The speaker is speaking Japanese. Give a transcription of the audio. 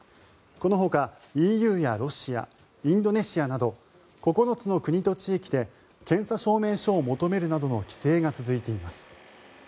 このほかＥＵやロシアインドネシアなど９つの国と地域で検査証明書を求めるなどの規制が続いています。